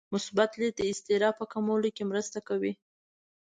مثبت لید د اضطراب په کمولو کې مرسته کوي.